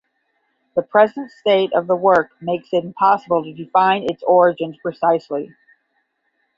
The present state of the work makes it impossible to define its origins precisely.